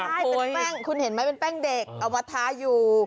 ไม่ใช่คุณเห็นไหมเป็นแป้งเด็กเอามาทาอยู่